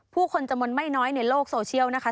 ผู้คนจำนวนไม่น้อยในโลกโซเชียลนะคะ